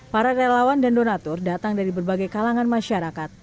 para relawan dan donatur datang dari berbagai kalangan masyarakat